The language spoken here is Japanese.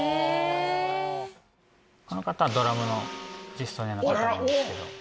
この方はドラムのジストニアの方なんですけど。